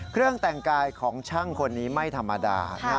เครื่องแต่งกายของช่างคนนี้ไม่ธรรมดา